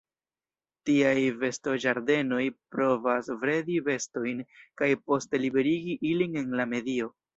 Tiaj bestoĝardenoj provas bredi bestojn kaj poste liberigi ilin en la medio.